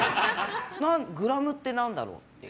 グラムって何だろうという。